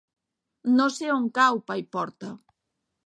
No sé on cau Paiporta.